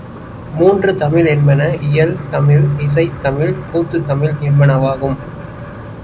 மூன்று தமிழ் என்பன இயல் தமிழ், இசைத் தமிழ், கூத்துத் தமிழ் என்பனவாகும்.